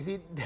kok pdi sih